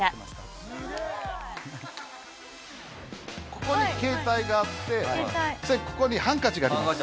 ここに携帯があってここにハンカチがあります。